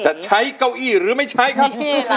ใช้เก้าอี้หรือไม่ใช้ครับ